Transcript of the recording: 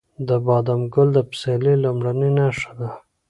د بادام ګل د پسرلي لومړنی نښه ده.